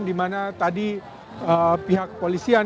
dimana tadi pihak kepolisian